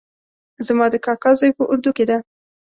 زما د کاکا زوی په اردو کې ده